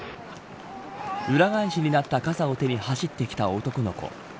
裏返しになった傘を手に走ってきた男の子。